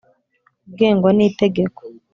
Ugengwa n itegeko